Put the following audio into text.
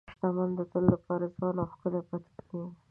شتمن د تل لپاره ځوان او ښکلي پاتې کېږي.